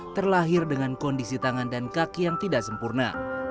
terlahir dengan kondisi tangan dan kaki yang tidak sempurna